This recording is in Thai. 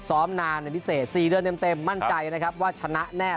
ซ้อมนานเป็นพิเศษ๔เดือนเต็มมั่นใจนะครับว่าชนะแน่